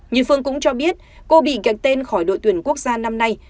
như phương cũng cho biết cô bị kẹt tên khỏi đội tuyển quốc gia năm nay